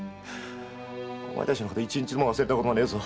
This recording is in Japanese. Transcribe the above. お前たちのこと一日も忘れたことはねえぞ！